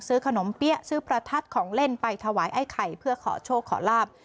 ซื้อขนมเปี๊ยะซื้อประทัดของเล่นไปถวายไอ้ไข่เพื่อขอโชคขอลาบ